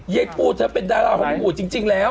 ยายปูเธอเป็นดาราของพี่ปู่จริงแล้ว